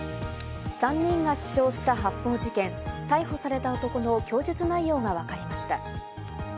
３人が死傷した発砲事件、逮捕された男の供述内容がわかりました。